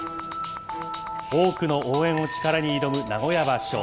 多くの応援を力に挑む名古屋場所。